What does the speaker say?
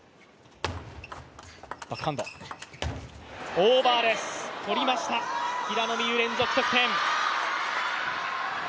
オーバーです、取りました、平野美宇、連続得点。